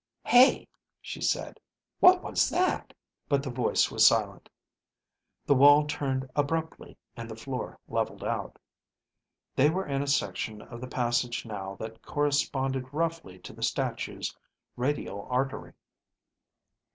"Hey," she said. "What was that?" But the voice was silent. The wall turned abruptly and the floor leveled out. They were in a section of the passage now that corresponded roughly to the statue's radial artery.